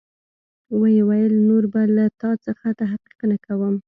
ويې ويل نور به له تا څخه تحقيق نه کوم.